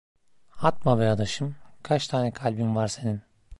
Atma be adaşım, kaç tane kalbin var senin?